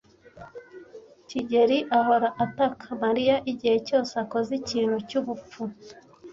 kigeli ahora ataka Mariya igihe cyose akoze ikintu cyubupfu.